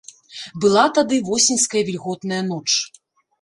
Была тады восеньская вільготная ноч.